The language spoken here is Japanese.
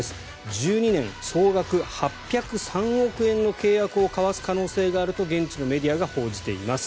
１２年、総額８０３億円の契約を交わす可能性があると現地のメディアが報じています。